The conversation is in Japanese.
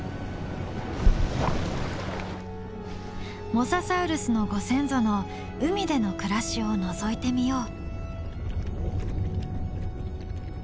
モササウルスのご先祖の海での暮らしをのぞいてみよう。